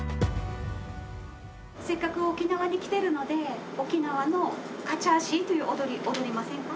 せっかく沖縄に来てるので沖縄のカチャーシーという踊り踊りませんか？